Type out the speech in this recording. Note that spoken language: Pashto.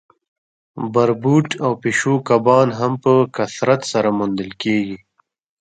بربوټ او پیشو کبان هم په کثرت سره موندل کیږي